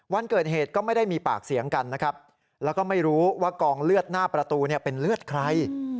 วันเกิดเหตุก็ไม่ได้มีปากเสียงกันนะครับแล้วก็ไม่รู้ว่ากองเลือดหน้าประตูเป็นเลือดใคร